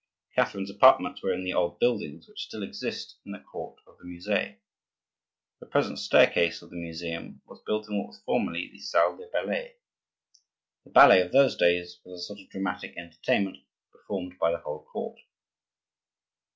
Catherine's apartments were in the old buildings which still exist in the court of the Musee. The present staircase of the museum was built in what was formerly the salle des ballets. The ballet of those days was a sort of dramatic entertainment performed by the whole court.